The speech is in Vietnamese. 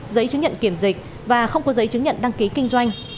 giấy chứng nhận kiểm dịch và không có giấy chứng nhận đăng ký kinh doanh